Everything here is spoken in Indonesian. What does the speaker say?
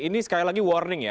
ini sekali lagi warning ya